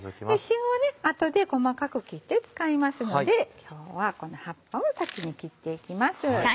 芯を後で細かく切って使いますので今日はこの葉っぱを先に切っていきます。